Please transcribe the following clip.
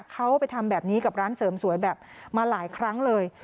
เขาไปทำแบบนี้กับร้านเสริมสวยแบบมาหลายครั้งเลย